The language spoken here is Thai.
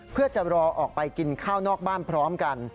เพื่อจะรอออกไปกินข้าวนอกบ้านพร้อมกัน